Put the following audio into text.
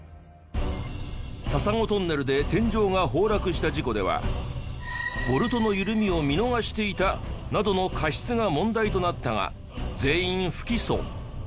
笹子トンネルで天井が崩落した事故では「ボルトの緩みを見逃していた」などの過失が問題となったが全員不起訴。